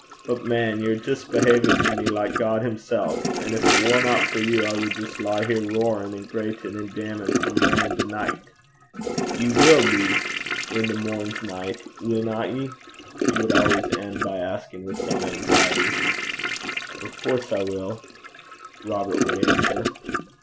But, man, ye're jist behavin' to me like God himsel', an' gin it warna for you, I wad jist lie here roarin' an' greitin' an' damnin' frae mornin' to nicht. Ye will be in the morn's night willna ye?' he would always end by asking with some anxiety. 'Of coorse I will,' Robert would answer.